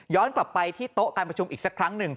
กลับไปที่โต๊ะการประชุมอีกสักครั้งหนึ่ง